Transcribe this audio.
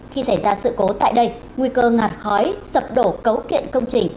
khi xảy ra sự cố tại đây nguy cơ ngạt khói sập đổ cấu kiện công trình